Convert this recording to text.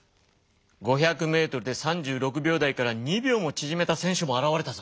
５００メートルで３６秒台から２秒もちぢめた選手も現れたぞ。